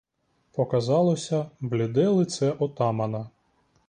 Показалося бліде лице отамана.